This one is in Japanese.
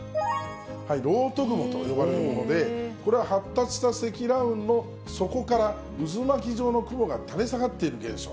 漏斗雲と呼ばれるもので、これは発達した積乱雲の底から渦巻き状の雲が垂れ下がっている現象。